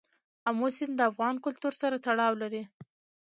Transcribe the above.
آمو سیند د افغان کلتور سره تړاو لري.